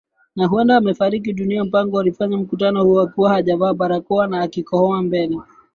na huenda amefariki dunia Mpango alifanya mkutano huo akiwa hajavaa barakoa na akikohoa mbele